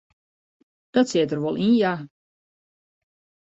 Dat sit der wol yn ja.